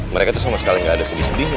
mereka tuh sama sekali gak ada sedih sedihnya